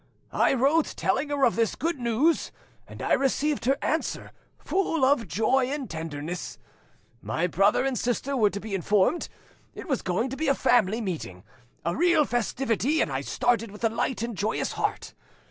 I wrote, telling her of this good news, and I received her answer—full of joy and tenderness. My brother and sister were to be informed, it was to be a family meeting, a real festivity; and I started with a light and joyous heart.